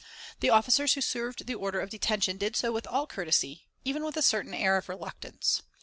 The officers who served the order of detention did so with all courtesy, even with a certain air of reluctance.